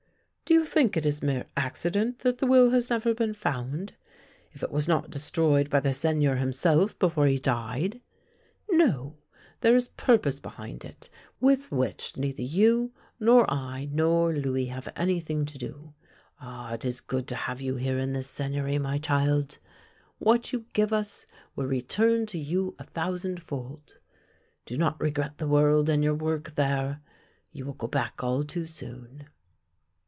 "" Do you think it is mere accident that the will has never been found — if it was not destroyed by the Sei gneur himself before he died? No, there is purpose be hind it, with which neither you nor I nor Louis have an)1:hing to do. Ah, it is good to have you here in this Seigneury, my child! What you give us will return to you a thousandfold. Do not regret the world and your work there. You will go back all too soon."